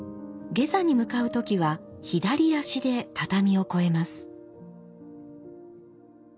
下座に向かう時は左足で畳を越えます。